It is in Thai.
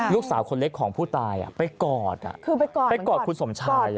ลูกสาวคนเล็กของผู้ตายไปกอดคุณสมชาย